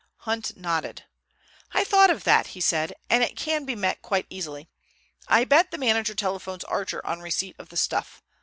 Hunt nodded. "I thought of that," he said, "and it can be met quite easily. I bet the manager telephones Archer on receipt of the stuff.